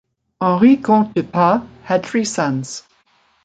Henri comte de Pas had three sons.